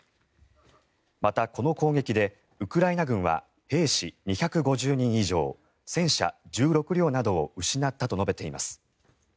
また、この攻撃でウクライナ軍は兵士２５０人以上戦車１６両などを失ったと述べています。